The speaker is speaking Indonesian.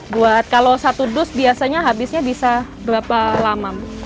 buat kalau satu dus biasanya habisnya bisa berapa lama